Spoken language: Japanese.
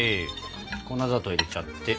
粉砂糖入れちゃって。